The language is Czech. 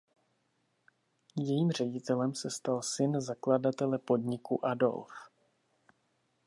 Jejím ředitelem se stal syn zakladatele podniku Adolf.